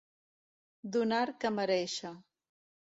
Donar que merèixer.